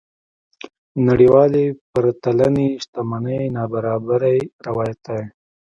نړيوالې پرتلنې شتمنۍ نابرابرۍ روايت دي.